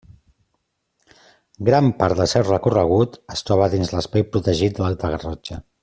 Gran part del seu recorregut es troba dins l'espai protegit de l'Alta Garrotxa.